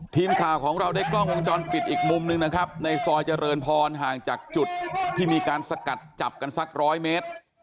ทีมข่าวของเราได้กล้องวงจรปิดอีกมุมหนึ่งนะครับในซอยเจริญพรห่างจากจุดที่มีการสกัดจับกันสักร้อยเมตร